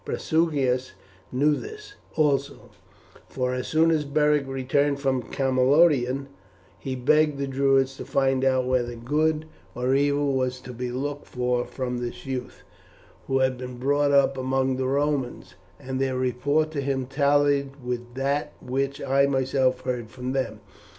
Prasutagus knew this also, for as soon as Beric returned from Camalodunum he begged the Druids to find out whether good or evil was to be looked for from this youth, who had been brought up among the Romans, and their report to him tallied with that which I myself heard from them.